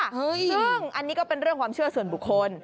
ซึ่งอันนี้ก็เป็นเรื่องความเชื่อส่วนบุคคล